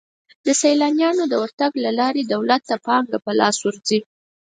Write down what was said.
د سیلانیانو ورتګ له لارې دولت ته پانګه په لاس ورځي.